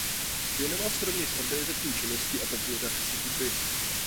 Věnoval se rovněž organizační činnosti a popularizaci hudby.